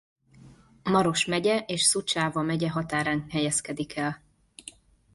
Maros megye és Suceava megye határán helyezkedik el.